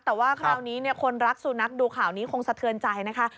แต่ว่าคราวนี้คนรักสุนัขดูข่าวนี้คงสะเทือนใจนะคะ